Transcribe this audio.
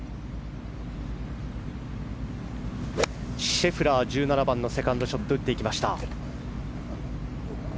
シェフラー１７番のセカンドショットを打っていきました。